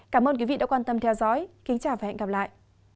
cảm ơn quý vị đã quan tâm theo dõi